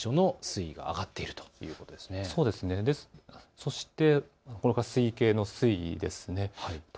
そしてこれが水位計の水位ですね。